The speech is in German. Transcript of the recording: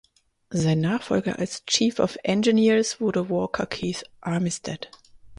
Sein Nachfolger als "Chief of Engineers" wurde Walker Keith Armistead.